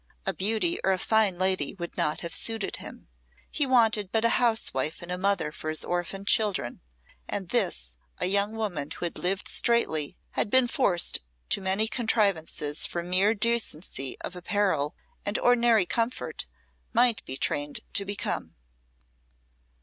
A beauty or a fine lady would not have suited him; he wanted but a housewife and a mother for his orphaned children, and this, a young woman who had lived straitly, and been forced to many contrivances for mere decency of apparel and ordinary comfort, might be trained to become.